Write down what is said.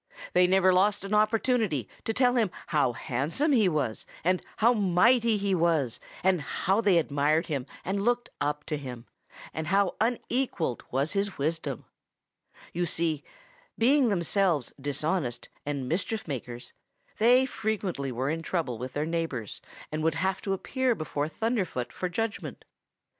They never lost an opportunity to tell him how handsome he was, and how mighty he was, and how they admired him and looked up to him, and how unequaled was his wisdom. You see, being themselves dishonest and mischief makers, they frequently were in trouble with their neighbors and would have to appear before Thunderfoot for judgment.